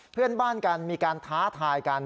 เพื่อนบ้านกันมีการท้าทายกัน